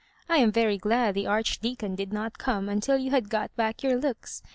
X am very glad the Archdeacon did not come until you had got back your looks.